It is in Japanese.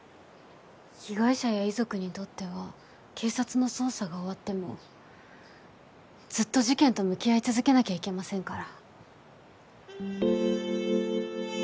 被害者や遺族にとっては警察の捜査が終わってもずっと事件と向き合い続けなきゃいけませんから。